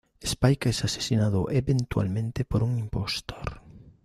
Spike es asesinado eventualmente por un impostor.